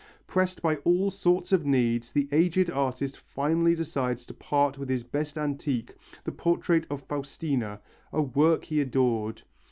Pressed by all sorts of needs, the aged artist finally decides to part with his best antique, the portrait of Faustina, a work of art he adored.